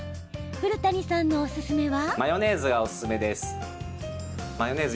古谷さんのおすすめは。